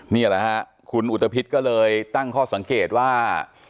นี่แหละฮะคุณอุตภิษก็เลยตั้งข้อสังเกตว่า